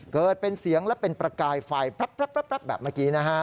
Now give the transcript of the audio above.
เกิดเป็นเสียงและเป็นประกายไฟแบบเมื่อกี้